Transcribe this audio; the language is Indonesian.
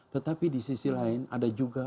tetapi di sisi lain ada juga